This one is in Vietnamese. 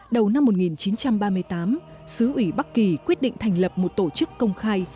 đầu năm một nghìn chín trăm ba mươi tám sứ ủy bắc kỳ quyết định thành lập một tổ chức công khai